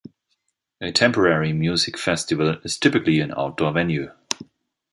A temporary music festival is typically an outdoor venue.